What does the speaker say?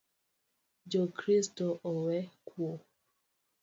Jo Kristo owe kuo